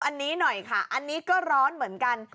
อันนี้หน่อยค่ะอันนี้ก็ร้อนเหมือนกัน